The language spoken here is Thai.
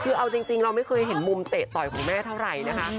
คือเอาจริงเราไม่เคยเห็นมุมเตะต่อยของแม่เท่าไหร่นะคะ